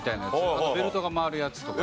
あとベルトが回るやつとか。